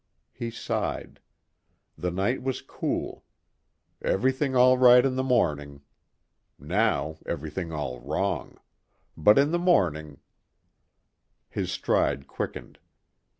He sighed. The night was cool. Everything all right in the morning. Now, everything all wrong. But in the morning His stride quickened.